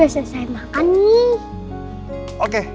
rena itu anak kandung aku